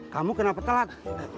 kamu kenapa telat